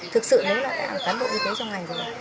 thực sự nếu là các bộ y tế trong ngày rồi